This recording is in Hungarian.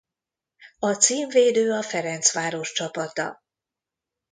A címvédő a Ferencváros csapata.